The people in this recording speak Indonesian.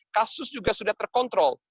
kasus juga sudah terkontrol